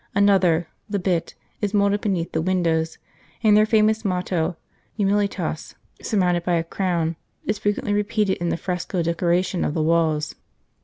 Another the Bit is moulded beneath the windows, and their famous motto, Humilitas, surmounted by a crown, is frequently repeated in the fresco decora tion of the walls.